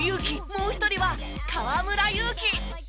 もう１人は河村勇輝。